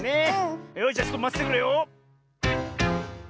よしじゃちょっとまっててくれよ。